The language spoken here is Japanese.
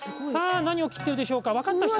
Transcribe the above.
さぁ何を切っているでしょうか？